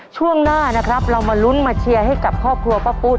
ช่วงหน้านะครับเรามาลุ้นมาเชียร์ให้กับครอบครัวป้าปุ๊ด